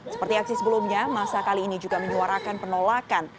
seperti aksi sebelumnya masa kali ini juga menyuarakan penolakan